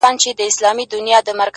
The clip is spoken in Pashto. • ه مړ او ځوانيمرگ دي سي،